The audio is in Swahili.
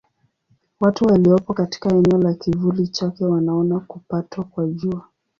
Watu waliopo katika eneo la kivuli chake wanaona kupatwa kwa Jua.